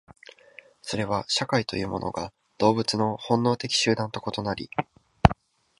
それは社会というものが動物の本能的集団と異なり、